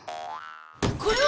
これは！